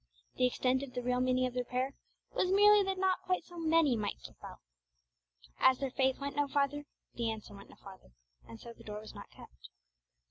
The extent of the real meaning of their prayer was merely that not quite so many might slip out. As their faith went no farther, the answer went no farther, and so the door was not kept.